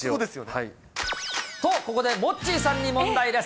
と、ここでモッチーさんに問題です。